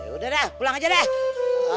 ya udah dah pulang aja dah